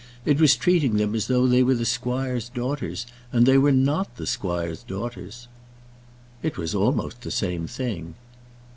It was treating them as though they were the squire's daughters, and they were not the squire's daughters." "It was almost the same thing."